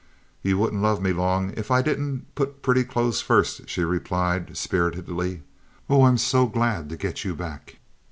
"You wouldn't love me long if I didn't put pretty clothes first," she replied, spiritedly. "Oh, I'm so glad to get you back!"